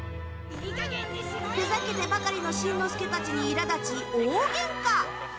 ふざけてばかりのしんのすけたちにいら立ち大げんか！